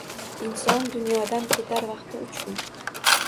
— Inson dunyodan ketar vaqti — uch kun.